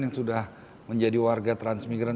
yang sudah menjadi warga transmigran